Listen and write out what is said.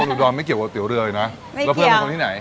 คนอุดรไม่เกี่ยวกับก๋วยเตี๋ยวเรือเลยนะไม่เกี่ยวแล้วเพื่อนเป็นคนที่ไหน